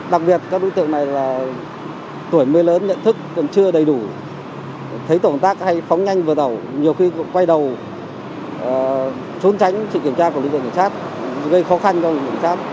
đặc biệt các đối tượng này là tuổi mới lớn nhận thức còn chưa đầy đủ thấy tổ công tác hay phóng nhanh vừa đầu nhiều khi quay đầu trốn tránh sự kiểm tra của lĩnh vực kiểm tra gây khó khăn cho lĩnh vực kiểm tra